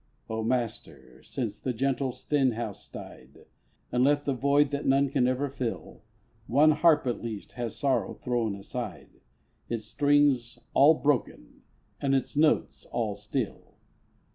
O, Master, since the gentle Stenhouse died And left the void that none can ever fill, One harp at least has sorrow thrown aside, Its strings all broken, and its notes all still.